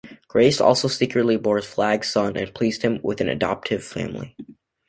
Grace also secretly bore Flag's son and placed him with an adoptive family.